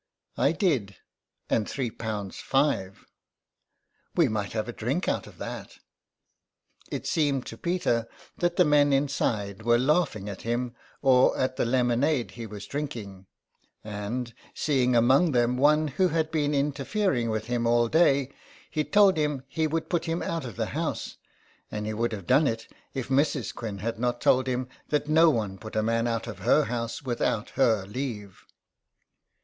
" I did, and three pounds five." *' We might have a drink out of that." It seemed to Peter that the men inside were laughing at him or at the lemonade he was drinking, and, seeing among them one who had been inter fering with him all day, he told him he would put THE EXILE. him out of the house, and he would have done it if Mrs. Quinn had not told him that no one put a man out of her house without her leave.